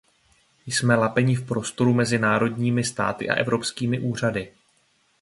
Jsme lapeni v prostoru mezi národními státy a evropskými úřady.